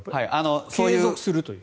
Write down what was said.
継続するという。